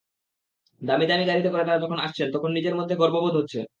দামি দামি গাড়িতে করে তারা যখন আসছেন, তখন নিজের মধ্যে গর্ববোধ হচ্ছে।